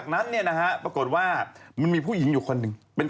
รถตู้เนี่ยนะฮะปรากฏว่ามันมีผู้หญิงอยู่คนนึง